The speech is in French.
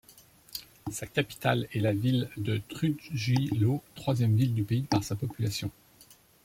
Sa capitale est la ville de Trujillo, troisième ville du pays par sa population.